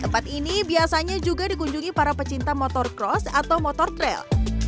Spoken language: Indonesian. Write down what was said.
tempat ini biasanya juga dikunjungi para pecinta motorcross atau motortrail